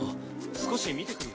少し見てくるよ。